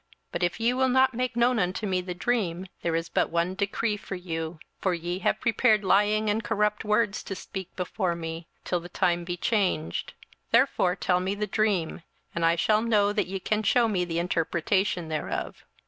27:002:009 But if ye will not make known unto me the dream, there is but one decree for you: for ye have prepared lying and corrupt words to speak before me, till the time be changed: therefore tell me the dream, and I shall know that ye can shew me the interpretation thereof.